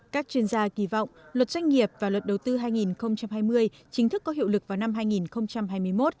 các chuyên gia kỳ vọng luật doanh nghiệp và luật đầu tư hai nghìn hai mươi chính thức có hiệu lực vào năm hai nghìn hai mươi một